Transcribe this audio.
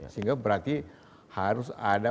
sehingga berarti harus ada